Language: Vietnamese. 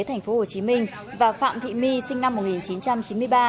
thành phố hồ chí minh và phạm thị my sinh năm một nghìn chín trăm chín mươi ba